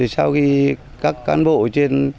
sau khi các cán bộ trên